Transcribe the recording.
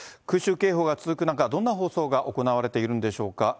空襲警報が続く中、どんな放送が行われているんでしょうか。